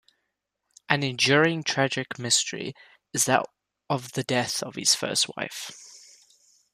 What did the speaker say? An enduring tragic mystery is that of the death of his first wife.